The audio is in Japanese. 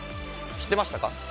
知ってましたか？